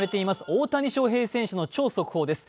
大谷翔平選手の超速報です。